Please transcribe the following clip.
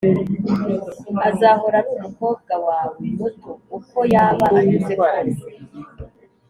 azahora ari umukobwa wawe muto, uko yaba anyuze kose.